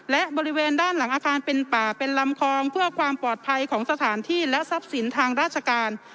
และบริเวณด้านหลังอาคารเป็นป่าเป็นลำคลองเพื่อความปลอดภัยของสถานที่และทรัพย์สินทางราชการ